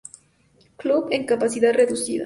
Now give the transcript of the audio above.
Club" en capacidad reducida.